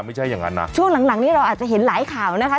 ไม่ใช่อย่างนั้นนะช่วงหลังนี้เราอาจจะเห็นหลายข่าวนะคะ